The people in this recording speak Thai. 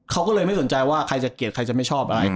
เขาก็เลยไม่สนใจว่าใครจะเกลียดใครจะไม่ชอบอะไร